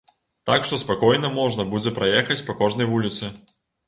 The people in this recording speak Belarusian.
Так што спакойна можна будзе праехаць па кожнай вуліцы.